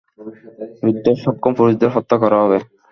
যুদ্ধ-সক্ষম পুরুষদের হত্যা করা হবে।